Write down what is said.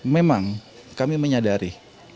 memang kami menyadari